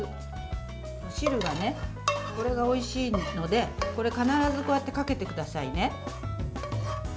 お汁がおいしいですので必ずこうやってかけてくださいね。